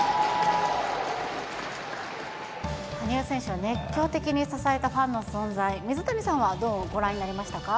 羽生選手を熱狂的に支えたファンの存在、水谷さんはどうご覧になりましたか？